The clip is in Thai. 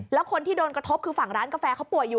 แล้วคนที่โดนกระทบคือฝั่งร้านกาแฟเขาป่วยอยู่